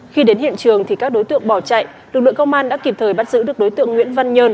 khi đến hiện trường thì các đối tượng bỏ chạy lực lượng công an đã kịp thời bắt giữ được đối tượng nguyễn văn nhơn